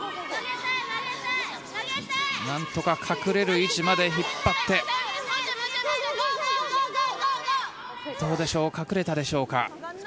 なんとか隠れる位置まで引っ張ってどうでしょう隠れたでしょうか。